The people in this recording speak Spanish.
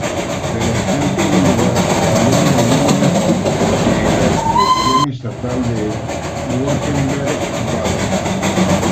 La elección tuvo lugar el mismo día que la elección estatal de Württemberg-Baden.